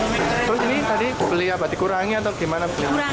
jadi tadi beli apa dikurangi atau gimana